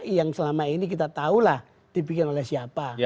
pki yang selama ini kita tahulah dipikirkan oleh siapa